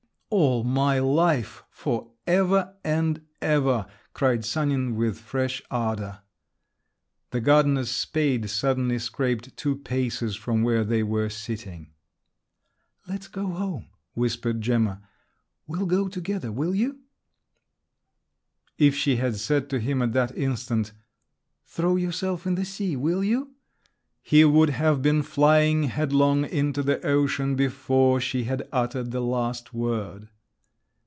"All my life, for ever and ever!" cried Sanin with fresh ardour. The gardener's spade suddenly scraped two paces from where they were sitting. "Let's go home," whispered Gemma: "we'll go together—will you?" If she had said to him at that instant "Throw yourself in the sea, will you?" he would have been flying headlong into the ocean before she had uttered the last word.